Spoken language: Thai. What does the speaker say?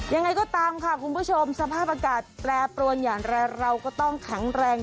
ยังไงก็ตามค่ะคุณผู้ชมสภาพอากาศแปรปรวนอย่างไรเราก็ต้องแข็งแรง